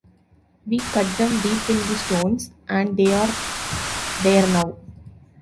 We cut them deep in the stones, and they are there now.